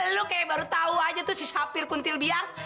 lo kayak baru tau aja tuh si sapir kuntil biar